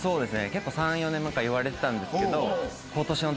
結構３４年前から言われてたんですけど。